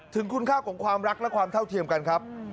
ถึงคุณค่าของความรักและความเท่าเทียมกันครับ